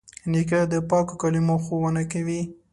نیکه د پاکو کلمو ښوونه کوي.